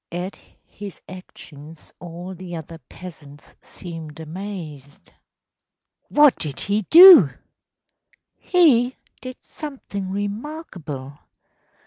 At his actions all the other peasants seemed amazed.‚ÄĚ “What did he do?‚ÄĚ “He did something remarkable.